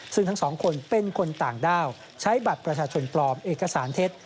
ซึ่งทั้งสองคนเป็นคนต่างด้าวใช้บัตรประชาชนปลอมเอกสารเท็จ